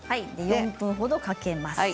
４分ほどかけます。